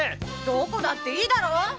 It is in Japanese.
どこだっていいだろう！